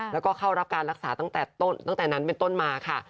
แล้วก็เข้ารับการรักษาตั้งแต่นั้นเป็นต้นมาค่ะ